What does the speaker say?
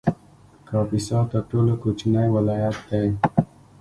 کاپیسا تر ټولو کوچنی ولایت دی